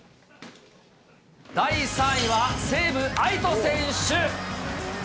第３位は西武、愛斗選手。